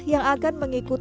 yang akan mengetahui